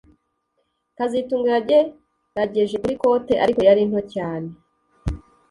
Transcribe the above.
kazitunga yagerageje kuri kote ariko yari nto cyane